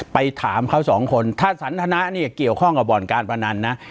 ไปถามเขาสองคนถ้าสันทนะเนี่ยเกี่ยวข้องกับบ่อนการพนันนะ